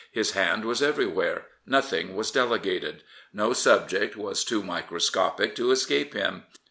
His hand was everywhere. Nothing was delegated. No subject was too microscopic to escape him.